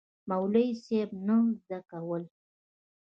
مولوي صېب نه زده کول